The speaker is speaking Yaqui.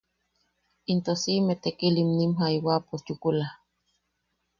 Into siʼime tekilim nim jaiwapo chukula.